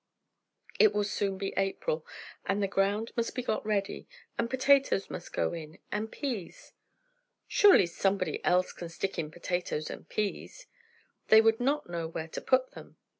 "It will soon be April. And the ground must be got ready, and potatoes must go in, and peas." "Surely somebody else can stick in potatoes and peas." "They would not know where to put them."